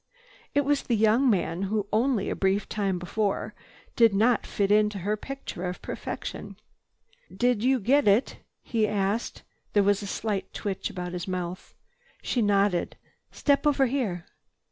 It was the young man who only a brief time before did not fit into her picture of perfection. "Di did you get it?" he asked. There was a slight twitch about his mouth. She nodded. "Step over here."